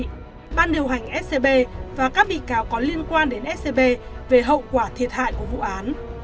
trưởng ban điều hành scb và các bị cáo có liên quan đến scb về hậu quả thiệt hại của vụ án